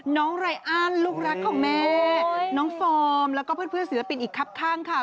ไรอันลูกรักของแม่น้องฟอร์มแล้วก็เพื่อนศิลปินอีกครับข้างค่ะ